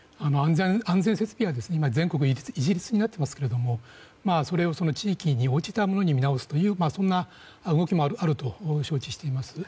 安全設備が全国一律になっていますがそれを地域に応じたものに見直すという動きもあると承知しています。